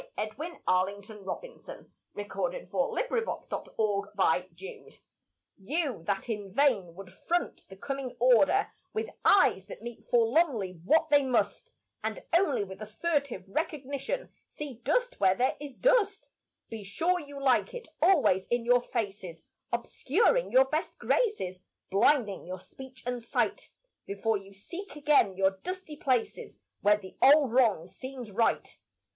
Jealous of God? Well, if you like it so." The Old King's New Jester You that in vain would front the coming order With eyes that meet forlornly what they must, And only with a furtive recognition See dust where there is dust, Be sure you like it always in your faces, Obscuring your best graces, Blinding your speech and sight, Before you seek again your dusty places Where the old wrong seems right.